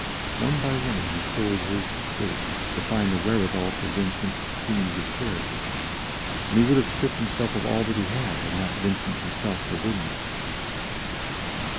One by one he sold his estates to find the wherewithal for Vincent's schemes of charity, and he would have stripped himself of all that he had, had not Vincent himself forbidden it.